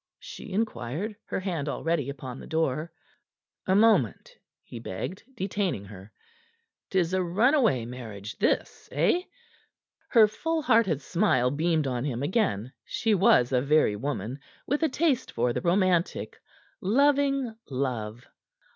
she inquired, her hand already upon the door. "A moment," he begged, detaining her. "'Tis a runaway marriage this, eh?" Her full hearted smile beamed on him again; she was a very woman, with a taste for the romantic, loving love.